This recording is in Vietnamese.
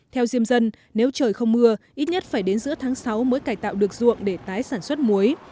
theo diêm dân nếu trời không mưa ít nhất phải đến giữa tháng sáu mới cải tạo được ruộng để tái sản xuất muối